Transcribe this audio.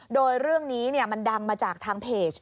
โดยเรื่องนี้มันดังมาจากทางเพจ